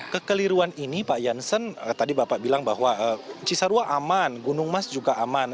kekeliruan ini pak jansen tadi bapak bilang bahwa cisarua aman gunung mas juga aman